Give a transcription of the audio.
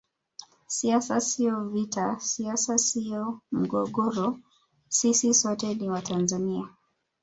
Siasa sio vita siasa sio mgogoro sisi sote ni Watanzania